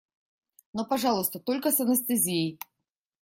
Но, пожалуйста, только с анестезией.